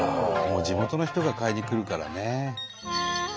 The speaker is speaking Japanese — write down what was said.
もう地元の人が買いに来るからね。